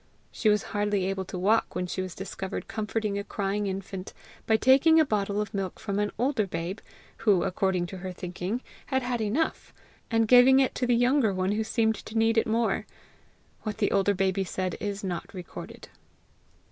She was hardly able to walk when she was discovered comforting a crying infant by taking a bottle of milk from an older babe (who, according to her thinking, had had enough) and giving it to the younger one who seemed to need it more. What the older baby said is not recorded.